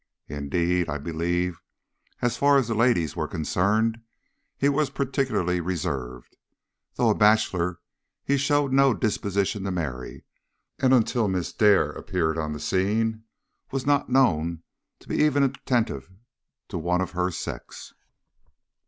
Indeed, I believe, as far as the ladies were concerned, he was particularly reserved. Though a bachelor, he showed no disposition to marry, and until Miss Dare appeared on the scene was not known to be even attentive to one of her sex."